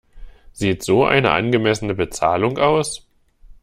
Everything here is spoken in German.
Sieht so eine angemessene Bezahlung aus?